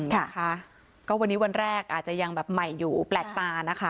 นะคะก็วันนี้วันแรกอาจจะยังแบบใหม่อยู่แปลกตานะคะ